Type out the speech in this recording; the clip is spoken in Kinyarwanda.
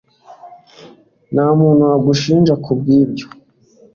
ntamuntu wagushinja kubwibyo